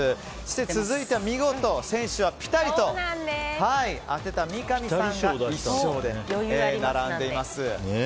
続いては見事先週はピタリと当てた三上さんが１勝で並んでいます。